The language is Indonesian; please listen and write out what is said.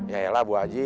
yaelah bu haji